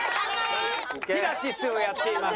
ピラティスをやっています。